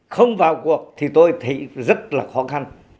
không vào cuộc thì tôi thấy rất là khó khăn